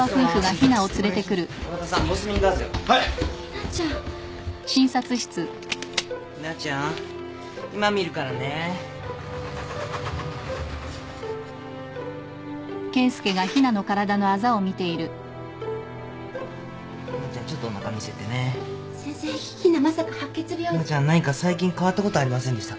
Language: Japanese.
ひなちゃん何か最近変わったことありませんでしたか？